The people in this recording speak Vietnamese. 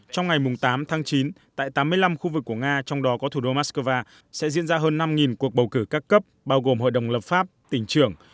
trong ngày tám tháng chín tại tám mươi năm khu vực của nga trong đó có thủ đô moscow sẽ diễn ra hơn năm cuộc bầu cử các cấp bao gồm hội đồng lập pháp tỉnh trưởng